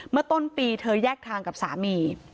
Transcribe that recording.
เมื่อต้นปีเธอแยกทางกับสามี